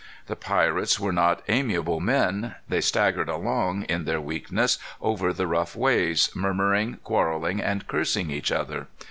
The pirates were not amiable men. They staggered along, in their weakness, over the rough ways, murmuring, quarrelling, and cursing each other.